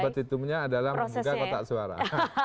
dan petitumnya adalah buka kotak suara